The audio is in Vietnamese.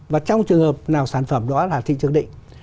và trong trường hợp nào sản phẩm đó là thị trường định